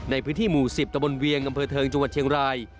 ในพื้นที่หมู่๑๐ตะบนเวียงอำเภอเทิงจังหวัดเชียงราย